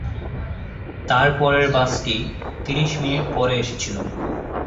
তার পরের বাসটা তিরিশ মিনিট পরে এসেছিল।